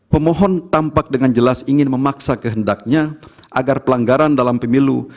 pemohon tampak dengan jelas ingin memaksa kehendaknya agar pelanggaran dalam pemilu